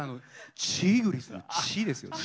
チグリスの「チ」ですよね。